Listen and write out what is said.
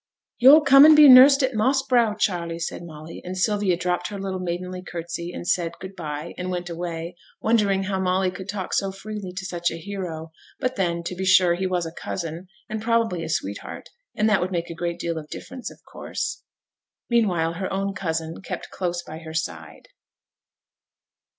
'Yo'll come and be nursed at Moss Brow, Charley,' said Molly; and Sylvia dropped her little maidenly curtsey, and said, 'Good by;' and went away, wondering how Molly could talk so freely to such a hero; but then, to be sure, he was a cousin, and probably a sweetheart, and that would make a great deal of difference, of course. Meanwhile her own cousin kept close by her side.